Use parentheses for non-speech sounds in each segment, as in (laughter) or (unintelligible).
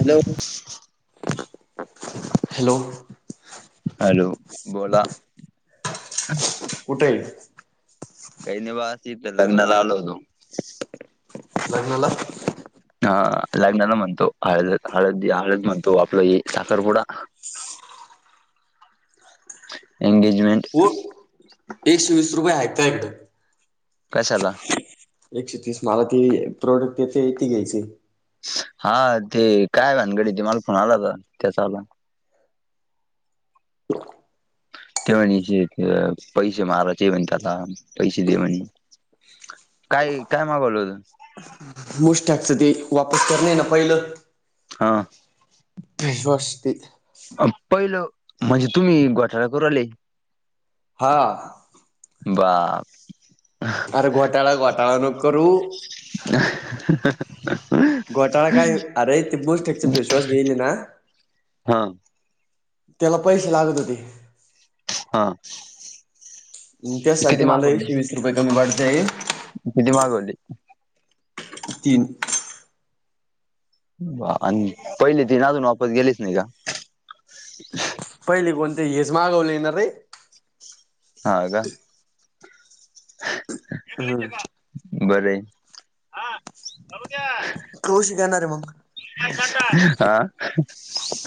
Hello, hello. Hello, बोला. कुठये? काही नाही बास. इथ लग्नाला आलो होतो. लग्नाला? हा. लग्नाला म्हणतो, हळद हळद हळद म्हणतो आपलं हे साखरपुडा. एंगेजमेंट. एकशे वीस रुपये आहे का तुह्याकडं? कशाला? एकशे तीस मला ते प्रोडक्ट येतये ते घ्यायच. हा, ते काय भानगडे? ते मला फोन आला व्हता त्याचा वाला. ते म्हणे ते की पैसे मारायचे म्हणे त्याला, पैसे दे म्हणे. काय काय मागवल होत? मुश टॅकचं ते वापस करणये ना पहिलं. हं. फेस वॉश ते. अं पहिलं म्हणजे तुम्ही घोटाळा करू राहिले. हा. बाप! आर घोटाळा घोटाळा नको करू. (unintelligible) घोटाळा काय? अरे ते बूस टेकच फेसवॉश घेईल ना, हं. त्याला पैसे लागत होते. हं, म त्यासाठी मला एकशे वीस रुपये कमी पडताये. किती मागवले? तीन. बा! आणि पहिले तीन अजून वापस गेलेच नाही का? पहिले कोणते? हेच मागवले ना रे. हा का? हा. बर हे कुश घेणार हे मग.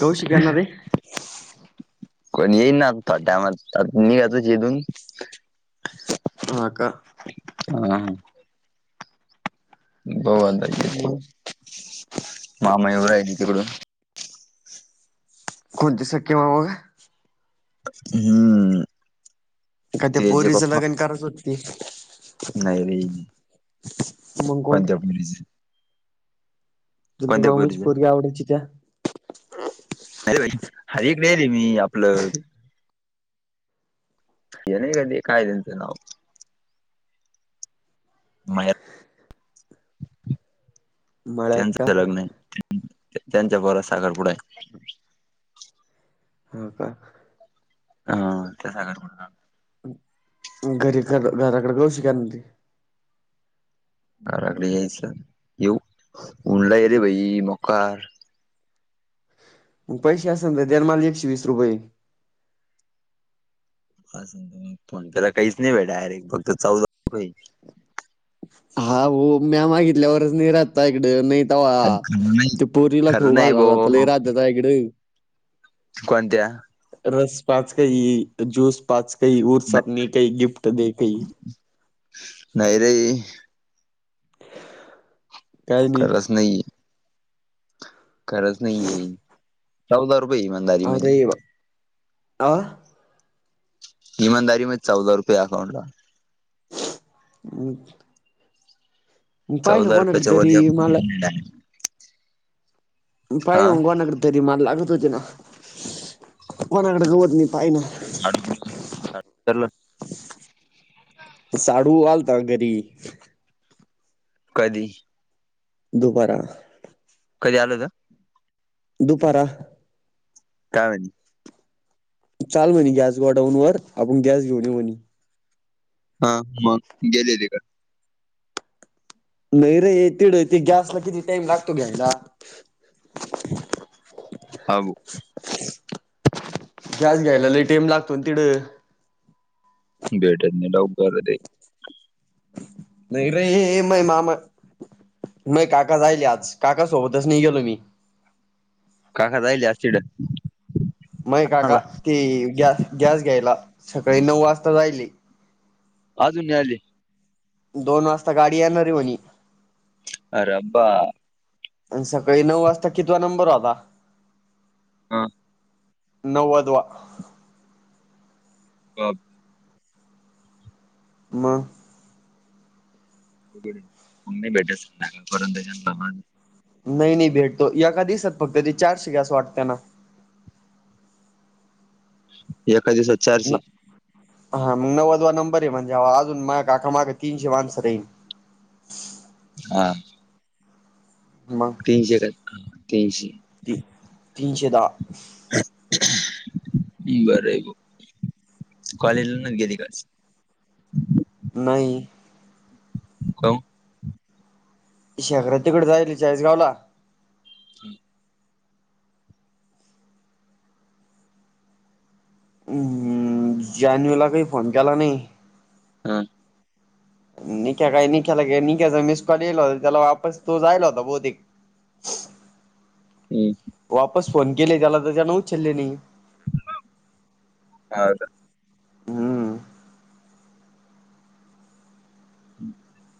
कौशिक येणार आहे कोण येईल ना आता टायमात मी आता जेथुन. हा का. हा भाऊ आता येतो मग मामा येऊ राहिला तिकडून. कोणते सक्के मामा का हम का ते पोरीच लगण करायचं होत ते नाही रे. मग कोण कोणत्या तुला मुलीच तुमची मामाची पोरीच पोरगी आवडायची त्या नही रे हा इकडे आहे रे मी आपलं. ते नहीं ते काय त्याच नाव. मळ्यात मळ्यात का त्यांचं (inaudible) लग्न आहे. त्यांच्या पोराचा साखरपुडा आहे. हा का. ह त्या साखरपुड्याला घरी कर घराकडे गऊ (inaudible) काय म्हणते घराकडे यायचं येऊ ऊन लई हाय रे भाई मोकार. म पैसे असेल तर देना मला एकशे वीस रुपये. (inaudible) पण त्याला काहीच नाही भाई डायरेक्ट फक्त चौदा रुपये हा भाऊ म्या मागितल्यावरच नाही राहत तुझ्याकडे नाही. तवा खरं नाही ते पोरीला खरं खाऊ नाही घालायला भाऊ लई राहत तुझ्याकड. कोणत्या. रस पाज काई त ज्यूस पाज काई ऊर्सात ने काई गिफ्ट देते काई नाही रे. काय नाही खरच नाहीये. खरच नाहीये चौदा रुपये हाय माझ्या आरे बा. आ ईमानदारी मध्ये चौदा रुपये हाय अकाउंटला. (inaudible) म पाहीना कोणाकड तरी मला. चालल म पाय भाऊ कोणाकडे तरी मला लागत होते ना कोणाकडे जाऊ आता मी पायला (unintelligible) (inaudible) साडू आलता घरी. कधी. दुपाराला कधी आला होता दुपारा. काय आणि चाल म्हणे गॅस गोडाऊन वर आपण गॅस घेऊन येऊ म्हणे. अ मंग गेलेले का? नही रे तिडं ते गॅसला किती टाईम लागतो घ्यायला. हाभो! गॅस घ्यायला लई टइम लागतो न तिडं! भेटत नाही लवकर ते! नही रे महे मामा महे काका जाईल हे आज, काका सोबतच नहीं गेलो मी. काका जायेल आज तिढ. मये काका ते गॅ-गॅस घ्यायला, सकाळी नऊ वाजता जायेल हे. अजून नई आले! दोन वाजता गाडी येणार हे म्हणी. आर बा. आण सकाळी नऊ वाजता कितवा नंबर होता? हां! नव्वदवा. (unintelligible) म! (unintelligible) नही नही भेटतो, यका दिसांत फक्त ते चारशे गॅस वाटत्यां ना! एका दिसात. न हा म नव्वदवा नंबर हे म्हणजे, ह वा अजून माज्या काका माग तीनशे माणसं राहील. हा! मंग! तीनशे का त्यांशी. तीनशे दहा! बरय बॉ कॉलेजला नहीं गेली का आज? नाही! काहू! शेखरा तिकडे जाईल चाळीसगावला. (inaudible) हू जानू ला बी फोन केला नही. अ! निक्या काय, निक्याला निक्याचा मिस कॉल येल होता, त्याला वापस तो जायल होता बहुतेक. हू! वापस फोन केले त्याला, तं त्यान उचलले नाही. हा का! हम्म. (inaudible)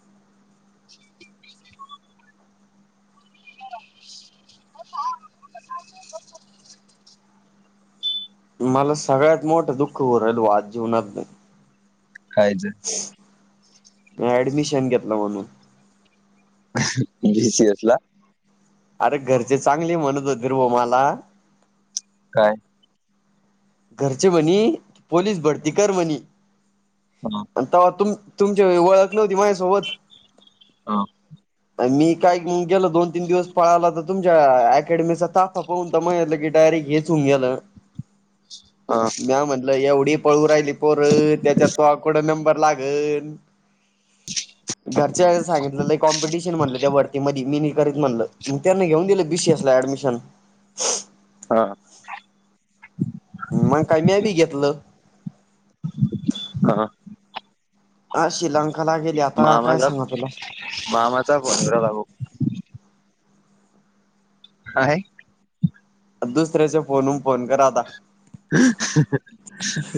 (inaudible) मला सगळ्यात मोठं दुःख हू राहिल बॉ आज जीवनातल. कायांच! मी ऍडमिशन घेतलं म्हणून. बी सी एस ला! अरे घरचे चांगली म्हणत होते रे भो माला. काय! घरचे म्हनी पोलीस भरती कर म्हनी. हां... अन् तवा तुमची ओळख नव्हती माझ्यासोबत. हा... मी कायग गेलं दोन, तीन दिवस पळाला तर तुमच्या अकॅडमीचा ताफा पाहून (unintelligible) डायरेक्ट हेच (unintelligible) म्या म्हटलं एवढी पळू राहिली पोर त्याच्यात (unintelligible) नंबर लागला ह घरच्या सांगितलेल कॉम्पिटिशन म्हणलं त्या वरती मी नाही करीत म्हणलं, मग त्याना घेऊन दिलं बीसीएस ला ऍडमिशन. हा... मग काय म्या बी बी घेतलं. हा. अशी लंकाला गेली आत काय मामाचा सांगा तुला. मामाचा फोन इवरा लागो हा.. दुसऱ्याच्या फोनवरून फोन करा आता.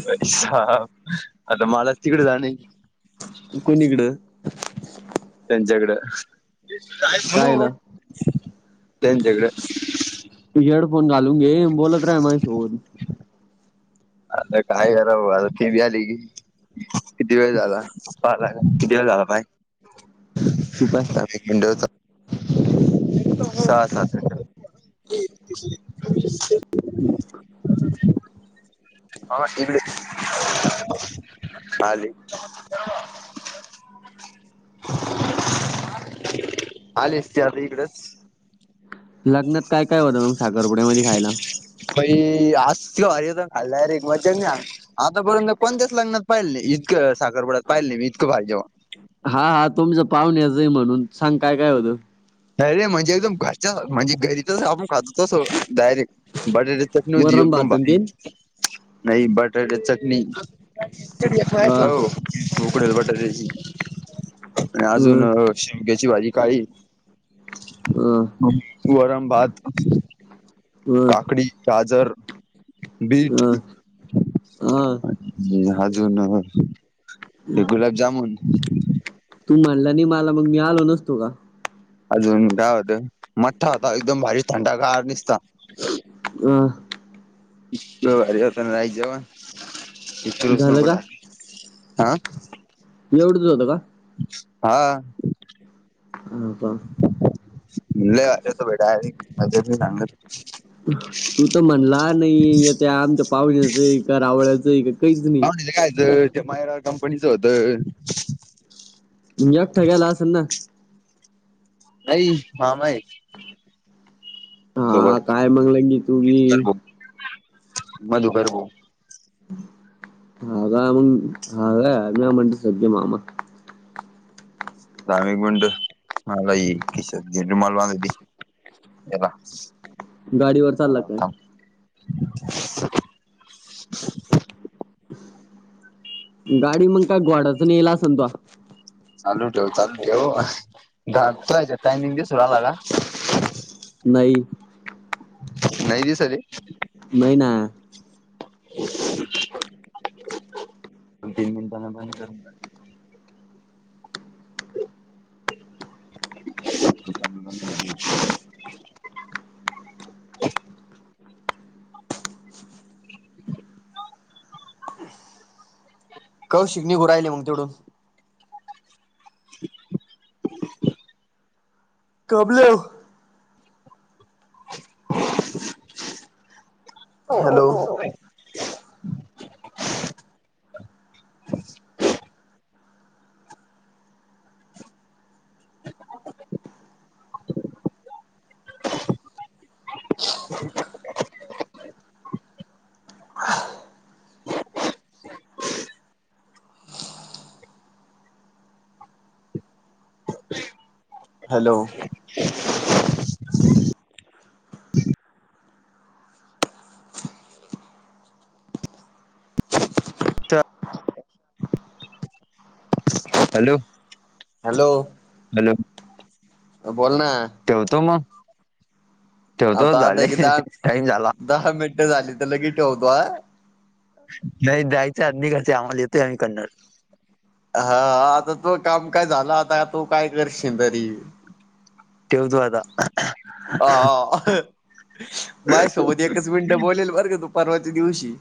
प आता मलाज तिकडे जाण कोणीकडं... त्यांच्याकड कायला? त्यांच्याकडे. तू हेडफोन घालून घे बोलत रहा माझ सोबत. आता काय करा आता ब आली की किती वेळ झाला पाला पायड तू काय ह हम्... ह इगडे आली. आली ती इकडेच. लग्नात काय काय होतं मग साखरपुड्यामध्येखायला. प आज क हारी होत खाल्ला र एक मजज आतापर्यंत कोणत्या च लग्त पाहिलं नाही इतकं साखरपडत पाहिलेलं इतकं भारी जेवण. हा हा तुमच पाहुणेचंय म्हणून सांग काय काय होतं. अर रे म्हणजे एकदम घरच्या सारखं हणजे घरीच आपण खातो तस डायरेक्ट. बटाटायची चटणी होती वरण एकदम भात अन भारी तेन नाही बटर चटणी. हा हो उकडल बटाटायची आणि अ अजूनह. शिमग्याची भाजी काळी. हम. वरण भात. हम... का कडी गाजर बीट. अ हा अजून ते गुलाबजामुन. तू म्हणला नाही मला मग मी आलो नसतो का. अजून काय होत मठ्ठा होता एकदम भारी थंडा गार निसता. अ.. ह झालं म्हटलं राइस जेवण. झालं का? आं. एवडच होतं का. हा. (inaudible) (unintelligible) तू तर म्हणला नाही त्या आमच्या पाहुण्याच आहे का रावळ्याच आहे. काहीच नाही. पाहून कायच ते मायरा कंपनीचं होतं. एकठा गेला असनं. नाही मामा हाय. हा काय म्हठल मग तू बी. कर भाऊ मधुकर (unintelligible) (unintelligible) गेला. गाडीवर चालला जरा काय थांब. गाडी मग काय घोडाच नेला असन तो. चालू ठेव, चालू ठेव आताच्या टायमिंग दिसु आला का. नाही. नाही दिसत आहे. नाही ना. तीन मिनटांना बंद करून टाक. (inaudible) कव शिकू नाही राहिली मग तेवड. (inaudible) कवले. Hello (unintelligible) hello. तर हॅलो. हॅलो. हॅलो. हं बोल ना. ठेवतो मग, ठेवतो आता आता झाले एक की दहा टाईम झाला. दहा मिनिटं झाली तर लगे ठेवतो आ. नाही द्यायचं आमी घरचे आवाज येतोय ऐकन. हा आता तो काम काय झाला, आता तू काय करशील तरी. ठेवतो आता. (unintelligible) माझ्या सोबत एकच मिनटं बोलेल बर का तू परवाच्या दिवशी.